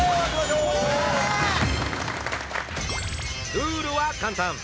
ルールは簡単！